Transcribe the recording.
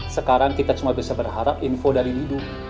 sekarang kita cuma bisa berharap info dari hidung